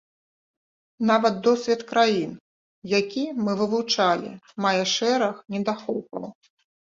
Нават досвед краін, які мы вывучалі, мае шэраг недахопаў.